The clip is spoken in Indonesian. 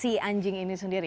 si anjing ini sendiri